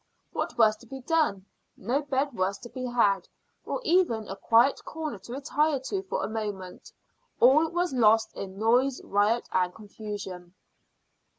What was to be done? No bed was to be had, or even a quiet corner to retire to for a moment; all was lost in noise, riot, and confusion.